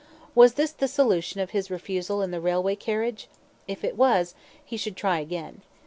Was this the solution of his refusal in the railway carriage? If it was, he should try again.